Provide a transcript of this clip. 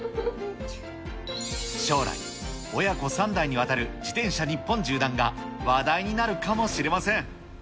将来、親子３代にわたる自転車日本縦断が話題になるかもしれません。